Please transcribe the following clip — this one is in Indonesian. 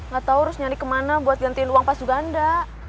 gak tau harus nyari kemana buat gantiin uang pas juga enggak